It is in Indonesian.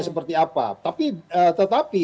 seperti apa tetapi